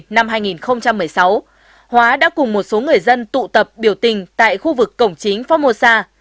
năm hai nghìn một mươi sáu hóa đã cùng một số người dân tụ tập biểu tình tại khu vực cổng chính phong mô sa